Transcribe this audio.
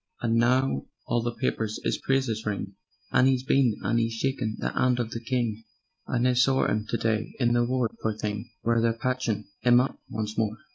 And now all the papers 'is praises ring, And 'e's been and 'e's shaken the 'and of the King And I sawr 'im to day in the ward, pore thing, Where they're patchin' 'im up once more.